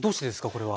これは。